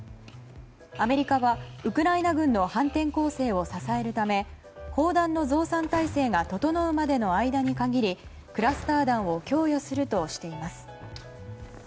アメリカはウクライナ軍の反転攻勢を支えるため砲弾の増産態勢が整うまでの間に限りクラスター弾を供与するとしています。